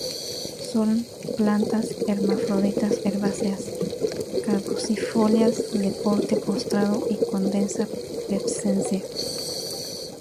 Son plantas hermafroditas herbáceas caducifolias, de porte postrado y con densa pubescencia.